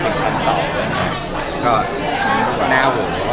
เพื่อแค่ทำงานมาก่อนค่ะ